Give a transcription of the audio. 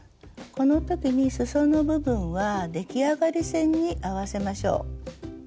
この時にすその部分は出来上がり線に合わせましょう。